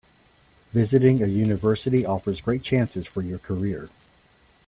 Visiting a university offers great chances for your career.